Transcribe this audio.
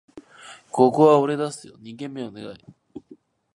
ここは俺出すよ！二軒目はお願い